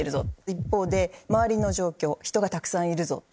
一方で周りの状況人がたくさんいるとか。